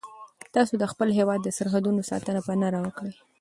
تاسو د خپل هیواد د سرحدونو ساتنه په نره وکړئ.